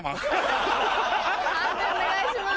判定お願いします。